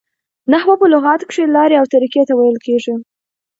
نحوه په لغت کښي لاري او طریقې ته ویل کیږي.